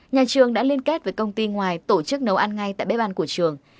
nhà trường đã liên kết với công ty ngoài tổ chức nấu ăn ngay tại bếp ăn của trường